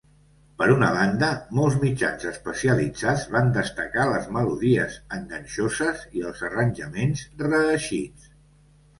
Per una banda, molts mitjans especialitzats van destacar les melodies enganxoses i els arranjaments reeixits.